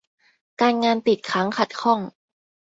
การงานติดค้างขัดข้อง